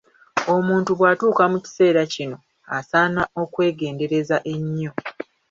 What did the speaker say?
Omuntu bw'atuuka mu kiseera kino asaana okwegendereza ennyo.